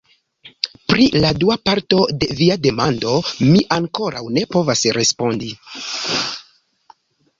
Pri la dua parto de via demando mi ankoraŭ ne povas respondi.